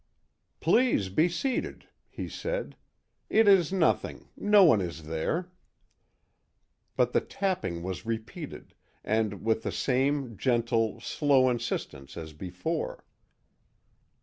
"Please be seated," he said; "it is nothing—no one is there." But the tapping was repeated, and with the same gentle, slow insistence as before.